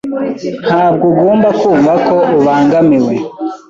Ntabwo ugomba kumva ko ubangamiwe.